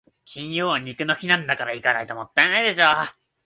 金曜は肉の日なんだから、行かないともったいないでしょ。